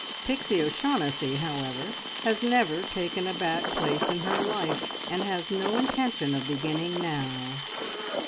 Pixie O'Shaughnessy, however, has never taken a back place in her life, and has no intention of beginning now.